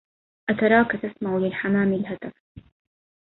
أتراك تسمع للحمام الهتف